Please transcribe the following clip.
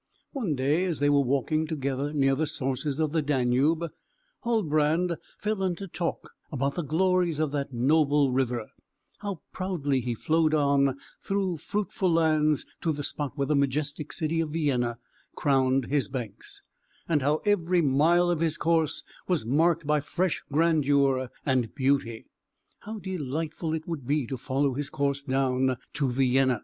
One day as they were walking together near the sources of the Danube, Huldbrand fell into talk about the glories of that noble river, how proudly he flowed on, through fruitful lands, to the spot where the majestic city of Vienna crowned his banks, and how every mile of his course was marked by fresh grandeur and beauty. "How delightful it would be to follow his course down to Vienna!"